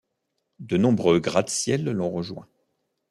De nombreux gratte-ciel l'ont rejoint.